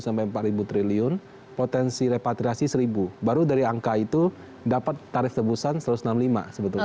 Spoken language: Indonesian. potensi deklarasi tiga ribu sampai empat ribu triliun potensi repatriasi seribu baru dari angka itu dapat tarif tebusan satu ratus enam puluh lima sebetulnya